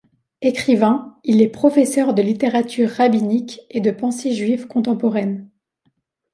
Écrivain, il est professeur de littérature rabbinique et de pensée juive contemporaine.